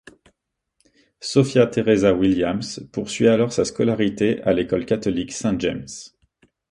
Sophia Theresa Williams poursuit alors sa scolarité à l'école catholique Saint James.